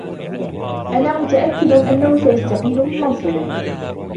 أنا متأكد أنه سيستقيل من منصبه.